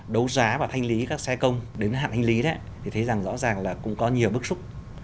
đấu giá và thanh lý các xe công đến hạn thanh lý thì thấy rõ ràng là cũng có nhiều bước rút